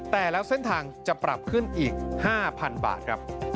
แต่ละเส้นทางจะปรับขึ้นอีก๕๐๐๐บาทครับ